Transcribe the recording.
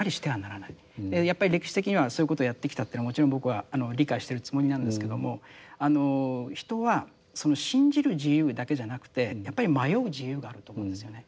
やっぱり歴史的にはそういうことをやってきたというのはもちろん僕は理解してるつもりなんですけどもあの人は信じる自由だけじゃなくてやっぱり迷う自由があると思うんですよね。